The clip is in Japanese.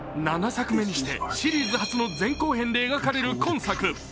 ７作目にしてシリーズ初の前後編で描かれる今作。